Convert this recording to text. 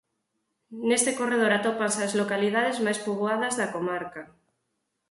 Neste corredor atópanse as localidades mais poboadas da comarca.